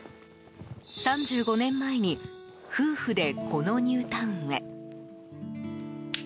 ３５年前に夫婦でこのニュータウンへ。